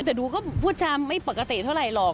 แต่ดูก็พูดจาไม่ปกติเท่าไหร่หรอก